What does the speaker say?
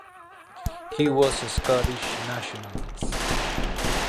He was a Scottish nationalist.